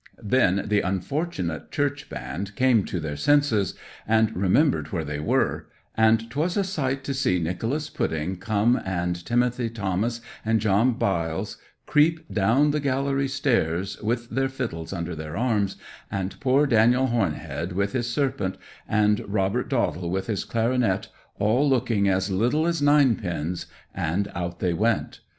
'Then the unfortunate church band came to their senses, and remembered where they were; and 'twas a sight to see Nicholas Pudding come and Timothy Thomas and John Biles creep down the gallery stairs with their fiddles under their arms, and poor Dan'l Hornhead with his serpent, and Robert Dowdle with his clarionet, all looking as little as ninepins; and out they went.